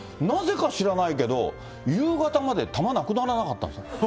なぜか知らないけど、夕方まで玉なくならなかったんですね。